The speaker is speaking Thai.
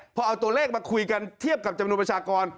พอเอาตัวเลขมาคุยกันเทียบกับจำนวนประชากร